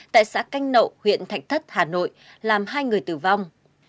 tại xã canh nậu huyện thạnh thất hà nội làm hai người tử vong